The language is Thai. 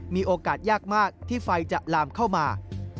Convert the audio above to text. มีโอกาสยากมากที่ไฟจะลามเข้ามา